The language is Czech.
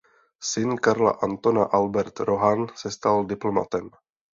Syn Karla Antona Albert Rohan se stal diplomatem.